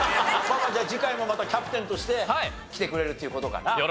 じゃあ次回もまたキャプテンとして来てくれるっていう事かな。